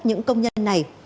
những công nhân này